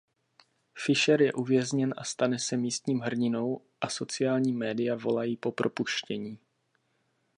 Fischer je uvězněn a stane se místním hrdinou a sociální média volají po propuštění.